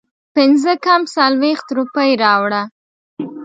پنځه کم څلوېښت روپۍ راوړه